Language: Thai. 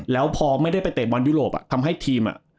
แล้วพอไม่ได้ไปเตะบอลยุโรปทำให้ทีม